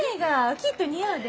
きっと似合うで。